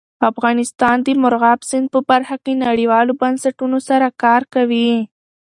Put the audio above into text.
افغانستان د مورغاب سیند په برخه کې نړیوالو بنسټونو سره کار کوي.